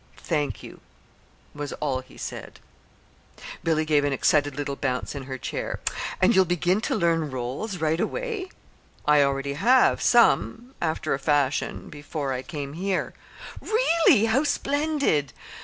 "Thank you," was all he said. Billy gave an excited little bounce in her chair. "And you'll begin to learn rôles right away?" "I already have, some after a fashion before I came here." "Really? How splendid!